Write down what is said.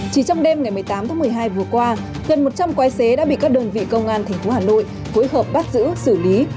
chỉ trong đêm ngày một mươi tám tháng một mươi hai vừa qua gần một trăm linh quái xế đã bị các đơn vị công an tp hà nội phối hợp bắt giữ xử lý